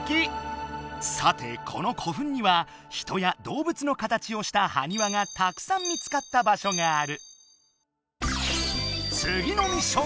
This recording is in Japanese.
さてこの古墳には人やどうぶつの形をしたはにわがたくさん見つかった場しょがある。